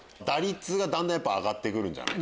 打率がだんだん上がって来る。